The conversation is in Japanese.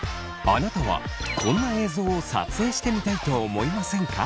あなたはこんな映像を撮影してみたいと思いませんか？